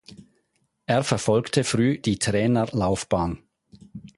Er verfolgte früh die Trainerlaufbahn.